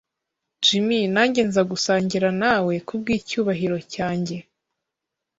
Jim, nanjye nzagusangira nawe, kubwicyubahiro cyanjye. ”